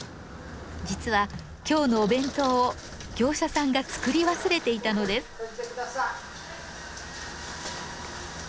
実は今日のお弁当を業者さんが作り忘れていたのです。